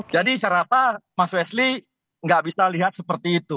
jadi secara rata mas wesley nggak bisa lihat seperti itu